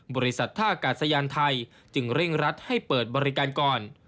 บริษัทท่ากาศยานไทยจึงเร่งรัดให้เปิดบริการก่อน